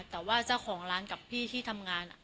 แต่ว่าเจ้าของร้านกับพี่ที่ทำงาน